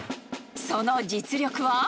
その実力は？